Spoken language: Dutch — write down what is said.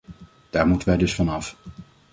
Daar moeten wij dus van af.